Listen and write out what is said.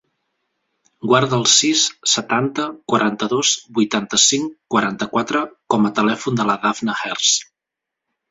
Guarda el sis, setanta, quaranta-dos, vuitanta-cinc, quaranta-quatre com a telèfon de la Dafne Herce.